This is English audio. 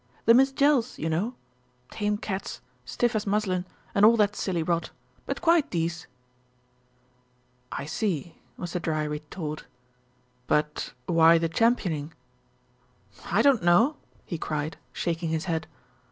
"The Miss Jells, you know. Tame cats, stiff as muslin, and all that silly rot; but quite dece." "I see," was the dry retort; "but why the champion ing?" "I don't know," he cried, shaking his head.